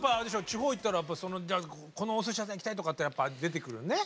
地方行ったらこのお寿司屋さん行きたいとかってやっぱ出てくるね。